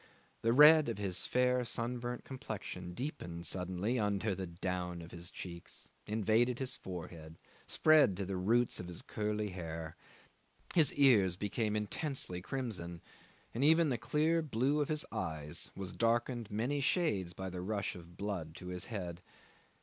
The red of his fair sunburnt complexion deepened suddenly under the down of his cheeks, invaded his forehead, spread to the roots of his curly hair. His ears became intensely crimson, and even the clear blue of his eyes was darkened many shades by the rush of blood to his head.